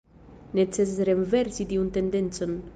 Necesas renversi tiun tendencon.